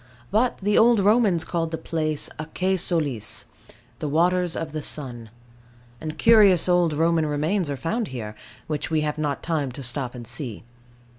But the Old Romans called the place Aquae Solis the waters of the sun; and curious old Roman remains are found here, which we have not time to stop and see.